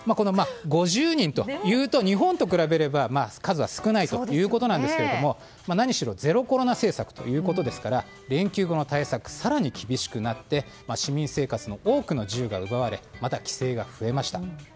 ５０人というと、日本と比べれば数は少ないということですけども何しろゼロコロナ政策ということですから連休後の対策が更に厳しくなって市民生活の多くの自由が奪われまた、規制が増えました。